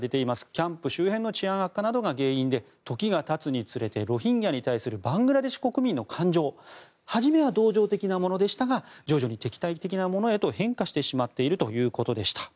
キャンプ周辺の治安悪化などが原因で、時が経つにつれてロヒンギャに対するバングラデシュ国民の感情も初めは同情的なものでしたが徐々に敵対的なものへと変化してしまっているということでした。